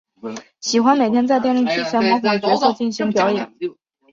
喜欢每天在电视机前模仿角色进行表演。